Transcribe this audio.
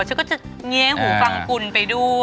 ฉันก็จะแง้หูฟังกุลไปด้วย